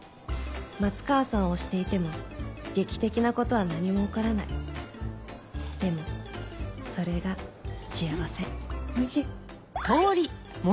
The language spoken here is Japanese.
松川さんを推していても劇的なことは何も起こらないでもそれが幸せおいしい。